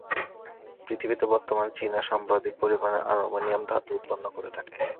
পৃথিবীতে বর্তমানে চীন সর্বাধিক পরিমাণ অ্যালুমিনিয়াম ধাতু উৎপাদন করে থাকে।